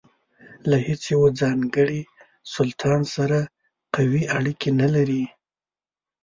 له هیڅ یوه ځانګړي سلطان سره قوي اړیکې نه لرلې.